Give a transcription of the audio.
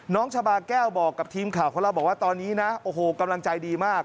ชาบาแก้วบอกกับทีมข่าวของเราบอกว่าตอนนี้นะโอ้โหกำลังใจดีมาก